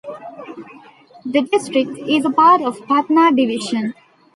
The district is a part of Patna Division.